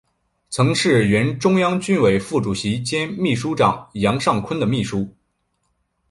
曾是原中央军委副主席兼秘书长杨尚昆的秘书。